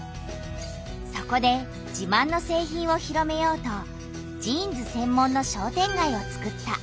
そこで自慢の製品を広めようとジーンズ専門の商店街をつくった。